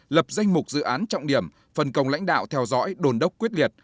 lập danh mục dự án trọng điểm phần công lãnh đạo theo dõi đồn đốc quyết liệt